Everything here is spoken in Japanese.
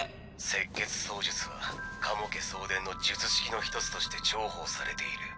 赤血操術は加茂家相伝の術式の一つとして重宝されている。